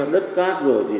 đất cát rồi